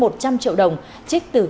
một trăm linh triệu đồng trích từ